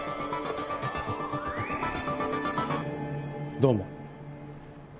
どうも。